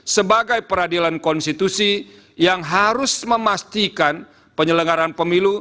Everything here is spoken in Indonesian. sebagai peradilan konstitusi yang harus memastikan penyelenggaran pemilu